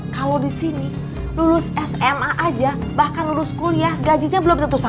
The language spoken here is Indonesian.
kalau di sini lulus sma aja bahkan lulus kuliah gajinya belum tentu sama